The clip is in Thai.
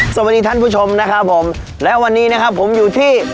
สวัสดีท่านผู้ชมนะครับผมและวันนี้นะครับผมอยู่ที่